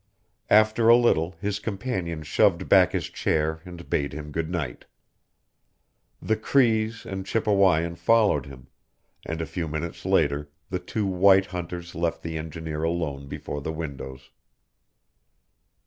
After a little his companion shoved back his chair and bade him good night. The Crees and Chippewayan followed him, and a few minutes later the two white hunters left the engineer alone before the windows.